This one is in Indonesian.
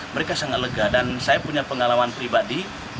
mereka sangat lega dan saya punya pengalaman pribadi